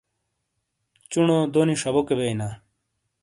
چُونو دونی شَبوکے بیئینا۔